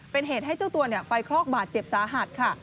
เป็นเหตุให้เจ้าตัวไฟคลอกบาดเจ็บสาหัสค่ะ